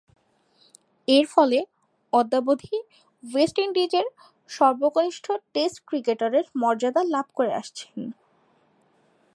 এরফলে অদ্যাবধি ওয়েস্ট ইন্ডিজের সর্বকনিষ্ঠ টেস্ট ক্রিকেটারের মর্যাদা লাভ করে আসছেন।